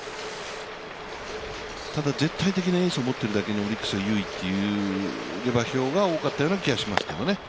ただ絶対的なエースを持っているだけにオリックスが優位という下馬評が多かったような気がしますけどね。